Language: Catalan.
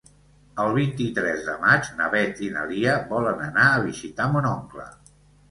El vint-i-tres de maig na Beth i na Lia volen anar a visitar mon oncle.